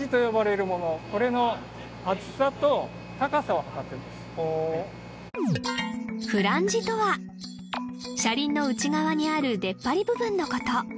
はいフランジとは車輪の内側にある出っ張り部分のこと